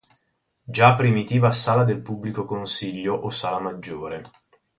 Già primitiva Sala del Pubblico Consiglio o Sala Maggiore.